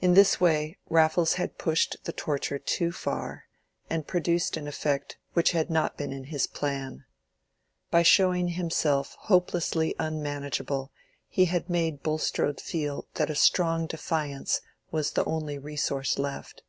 In this way Raffles had pushed the torture too far, and produced an effect which had not been in his plan. By showing himself hopelessly unmanageable he had made Bulstrode feel that a strong defiance was the only resource left.